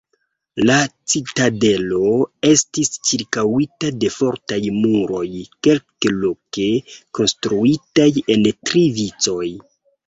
La citadelo estis ĉirkaŭita de fortaj muroj kelkloke konstruitaj en tri vicoj.